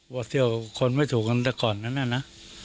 เที่ยวคนไม่ถูกกันแต่ก่อนนั้นน่ะนะ